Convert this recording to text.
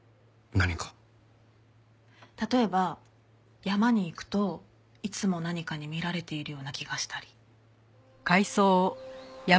例えば山に行くといつも何かに見られているような気がしたり。